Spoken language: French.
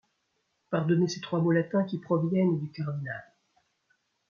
Pardonnez ces trois mots latins qui proviennent du cardinal.